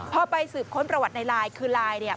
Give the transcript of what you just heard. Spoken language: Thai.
พอไปสืบค้นประวัติในไลน์คือไลน์เนี่ย